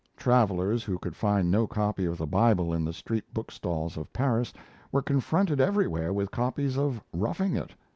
Travellers who could find no copy of the Bible in the street bookstalls of Paris, were confronted everywhere with copies of 'Roughing It'.